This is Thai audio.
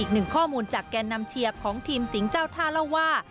อีกหนึ่งข้อมูลจากแก่นำเชียร์ของทีมสิงห์เจ้าท่าเล่าว่า